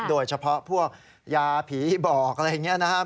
โดยเฉพาะพวกยาผีบอกอะไรอย่างนี้นะครับ